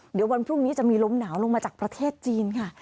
เดี๋ยววันพรุ่งนี้จะมีลมหนาวลงมาจากประเทศจีนค่ะ